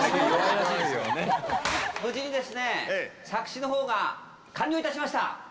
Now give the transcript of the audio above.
無事にですね、作詞のほうが完了いたしました。